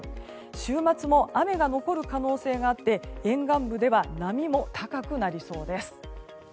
週末も雨が残る可能性があって沿岸部では波も高くなりそうです。